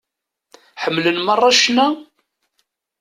Ḥemmlen meṛṛa ccna?